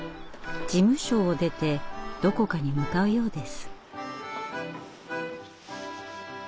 事務所を出てどこかに向かうようです。